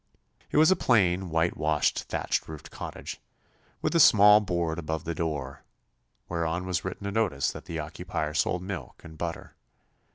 It was a plain, whitewashed, thatch roofed cottage, with a small board above the door, whereon was written a notice that the occupier sold milk and butter.